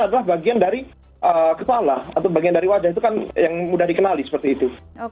adalah bagian dari kepala atau bagian dari wajah itu kan yang mudah dikenali seperti itu